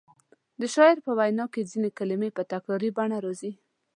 د شاعر په وینا کې ځینې کلمې په تکراري بڼه راځي.